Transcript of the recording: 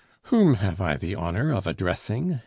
"Whom have I the honor of addressing?"